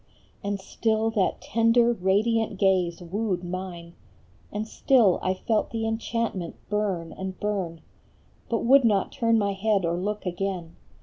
And still that tender, radiant gaze wooed mine, And still I felt the enchantment burn and burn, But would not turn my head or look again ; 96 A FLORENTINE JULIET.